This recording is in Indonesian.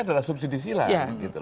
adalah subsidi silang